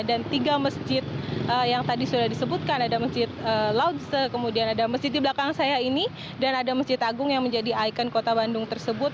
dan tiga masjid yang tadi sudah disebutkan ada masjid laodse kemudian ada masjid di belakang saya ini dan ada masjid agung yang menjadi ikon kota bandung tersebut